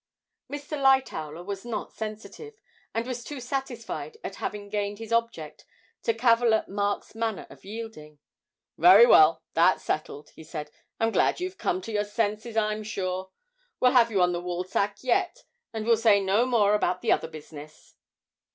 Mr. Lightowler was not sensitive, and was too satisfied at having gained his object to cavil at Mark's manner of yielding. 'Very well; that's settled,' he said. 'I'm glad you've come to your senses, I'm sure. We'll have you on the Woolsack yet, and we'll say no more about the other business.'